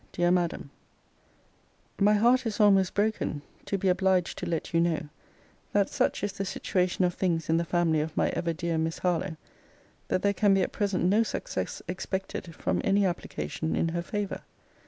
DEAR MADAM, My heart is almost broken, to be obliged to let you know, that such is the situation of things in the family of my ever dear Miss Harlowe, that there can be at present no success expected from any application in her favour.